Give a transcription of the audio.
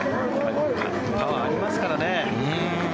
パワーありますからね。